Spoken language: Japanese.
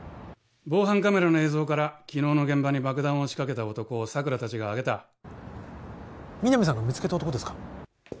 防犯カメラの映像から昨日の現場に爆弾を仕掛けた男を佐久良たちがあげた皆実さんが見つけた男ですか？